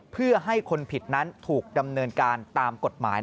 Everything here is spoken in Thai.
เพื่อให้คนผิดนั้นถูกดำเนินการตามกฎหมาย